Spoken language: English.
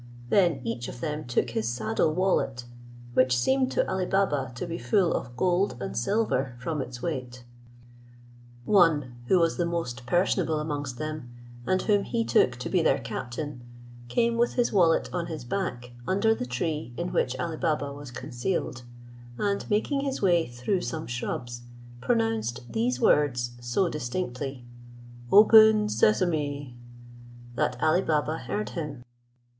Then each of them took his saddle wallet, which seemed to Ali Baba to be full of gold and silver from its weight. One, who was the most personable amongst them, and whom he took to be their captain, came with his wallet on his back under the tree in which Ali Baba was concealed, and making his way through some shrubs, pronounced these words so distinctly, "Open, Sesame," that Ali Baba heard him.